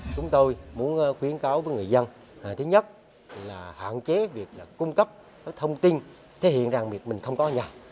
chúng tôi muốn khuyến cáo với người dân thứ nhất là hạn chế việc cung cấp thông tin thể hiện rằng việc mình không có nhà